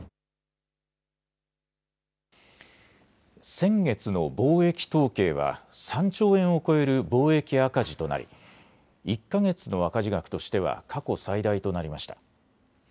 先月の貿易統計は３兆円を超える貿易赤字となり１か月の赤字額としては過去最大となりました。